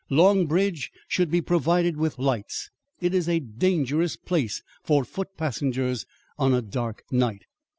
"Long Bridge should be provided with lights. It is a dangerous place for foot passengers on a dark night."